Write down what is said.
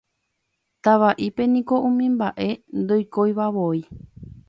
Tavaʼípe niko umi mbaʼe ndoikoivavoi.